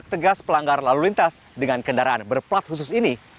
tegas pelanggar lalu lintas dengan kendaraan berplat khusus ini